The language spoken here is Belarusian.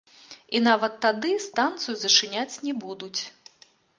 І нават тады станцыю зачыняць не будуць.